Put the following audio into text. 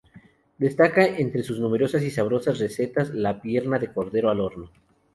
Destaca entre sus numerosas y sabrosas recetas la pierna de cordero al horno.